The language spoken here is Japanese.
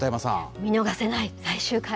見逃せない、最終回。